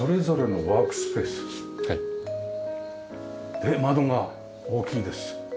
で窓が大きいです。